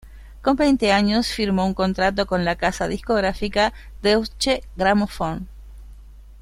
Con veinte años firmó un contrato con la casa discográfica Deutsche Grammophon.